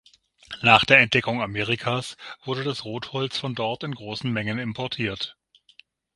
Nach der Entdeckung Amerikas wurde das Rotholz von dort in großen Mengen importiert.